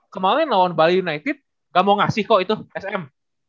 kemarin lawan bali united gak mau ngasih kok itu sm